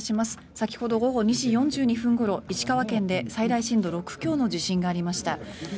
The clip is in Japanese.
先ほど午後２時４２分ごろ石川県で最大震度６強の地震がありました。